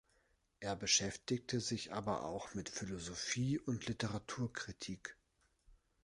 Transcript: Er beschäftigte sich aber auch mit Philosophie und Literaturkritik.